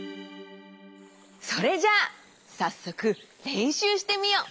それじゃあさっそくれんしゅうしてみよう。